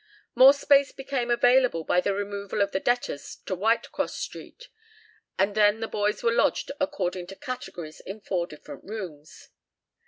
More space became available by the removal of the debtors to Whitecross Street, and then the boys were lodged according to categories in four different rooms.